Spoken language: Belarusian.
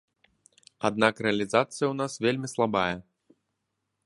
Аднак рэалізацыя ў нас вельмі слабая.